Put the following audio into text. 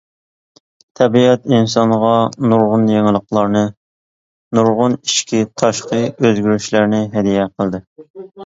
تەبىئەت ئىنسانغا نۇرغۇن يېڭىلىقلارنى، نۇرغۇن ئىچكى-تاشقى ئۆزگىرىشلەرنى ھەدىيە قىلدى.